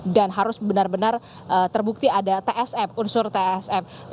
harus benar benar terbukti ada tsm unsur tsm